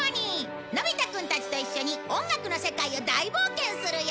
のび太くんたちと一緒に音楽の世界を大冒険するよ！